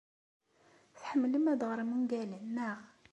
Tḥemmlem ad teɣrem ungalen, naɣ?